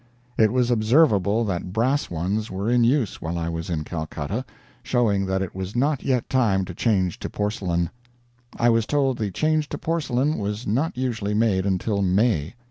It was observable that brass ones were in use while I was in Calcutta, showing that it was not yet time to change to porcelain; I was told the change to porcelain was not usually made until May.